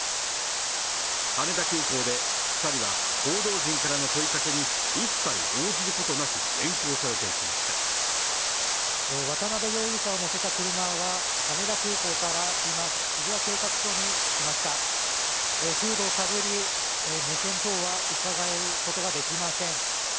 羽田空港で二人は報道陣からの問いかけに一切応じることなく連行されていきました渡辺容疑者を乗せた車が羽田空港から今渋谷警察署に来ましたフードをかぶり表情はうかがうことができません